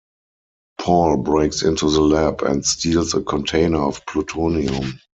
Paul breaks into the lab and steals a container of plutonium.